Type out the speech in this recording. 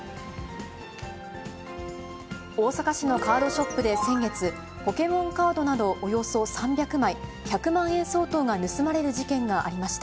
大阪市のカードショップで先月、ポケモンカードなどおよそ３００枚、１００万円相当が盗まれる事件がありました。